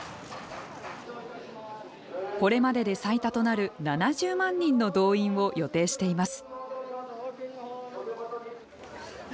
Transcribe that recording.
これまでで最多となる７０万人の動員を予定しています。